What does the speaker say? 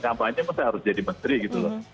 kampanye pasti harus jadi menteri gitu loh